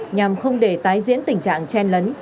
nhằm không để tái diễn tình trạng chen lấn